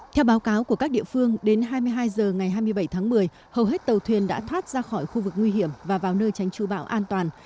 theo báo cáo của các địa phương đến hai mươi hai h ngày hai mươi bảy tháng một mươi hầu hết tàu thuyền đã thoát ra khỏi khu vực nguy hiểm và vào nơi tránh tru bão an toàn